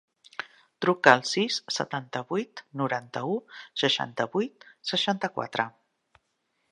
Truca al sis, setanta-vuit, noranta-u, seixanta-vuit, seixanta-quatre.